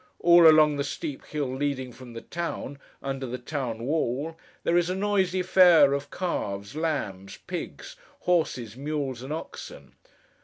All along the steep hill leading from the town, under the town wall, there is a noisy fair of calves, lambs, pigs, horses, mules, and oxen.